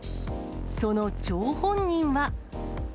その張本人は。